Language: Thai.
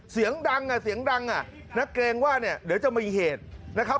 เสียงดังอ่ะเสียงดังอ่ะนะเกรงว่าเนี่ยเดี๋ยวจะมีเหตุนะครับ